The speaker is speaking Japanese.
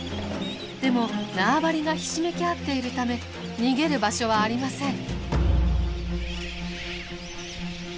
でも縄張りがひしめき合っているため逃げる場所はありません。